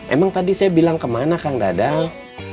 emang tadi saya bilang kemana kang dadang